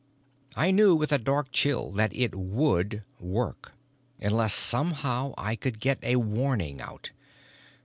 I knew with a dark chill that it would work. Unless somehow I could get a warning out.